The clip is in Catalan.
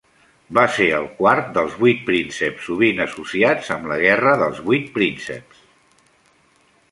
Va ser el quart dels vuit prínceps sovint associats amb la Guerra dels Vuit Prínceps.